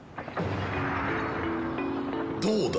どうだ？